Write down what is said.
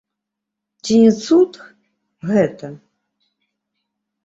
Ці не цуд гэта?